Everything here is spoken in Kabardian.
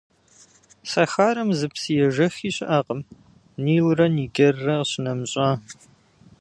Сахарэм зы псыежэхи щыӏэкъым, Нилрэ Нигеррэ къищынэмыщӏа.